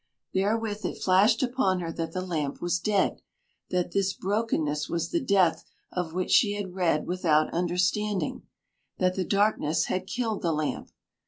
Therewith it flashed upon her that the lamp was dead, that this brokenness was the death of which she had read without understanding, that the darkness had killed the lamp.